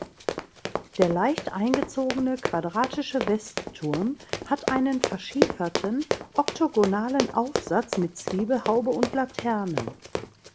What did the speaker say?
Der leicht eingezogene quadratische Westturm hat einen verschieferten oktogonalen Aufsatz mit Zwiebelhaube und Laterne.